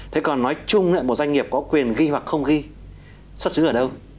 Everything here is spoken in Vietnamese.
thế còn nói chung là một doanh nghiệp có quyền ghi hoặc không ghi xuất xứ ở đâu